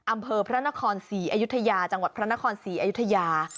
อำเภอพระนคร๔อายุทยาจังหวัดพระนคร๔อายุทยา